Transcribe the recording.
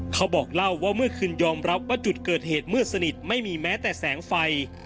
เขาบอกเล่าว่าเมื่อคืนยอมรับว่าจุดเกิดเหตุมืดสนิทไม่มีแม้แต่แสงไฟ